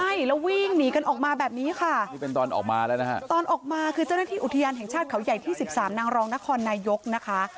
ใช่แล้ววิ่งหนีกันออกมาแบบนี้ค่ะนี่เป็นตอนออกมาแล้วนะฮะตอนออกมาคือเจ้าหน้าที่อุทยานแห่งชาติเขาใหญ่ที่สิบสามนางรองนครนายกนะคะ